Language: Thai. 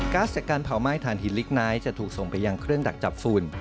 จากการเผาไหม้ฐานหินลิกไนท์จะถูกส่งไปยังเครื่องดักจับฝุ่น